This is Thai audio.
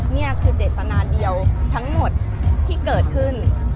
นี่คือเจตนาเดียวทั้งหมดที่เกิดขึ้น